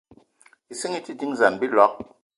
Ìsínga í te dínzan á bíloig